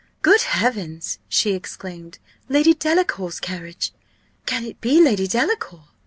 "Good heavens!" she exclaimed, "Lady Delacour's carriage! Can it be Lady Delacour?"